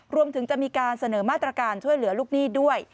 รวมถึงจะมีการเสนอมาตรการช่วยเหลือลูกหนี้ด้วย